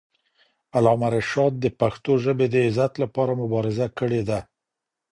علامه رشاد د پښتو ژبې د عزت لپاره مبارزه کړې ده.